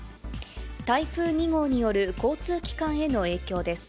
台風２号による交通機関への影響です。